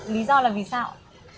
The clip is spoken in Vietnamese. lý do là vì sao